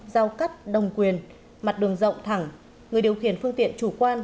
giao cắt đồng quyền mặt đường rộng thẳng người điều khiển phương tiện chủ quan